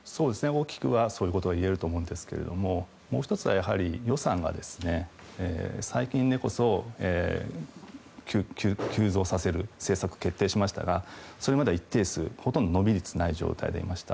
大きくはそういうことが言えると思うんですけどもう１つは、やはり予算が最近でこそ急増させる政策決定しましたがそれまでは一定数、ほとんど伸び率がない状態でいました。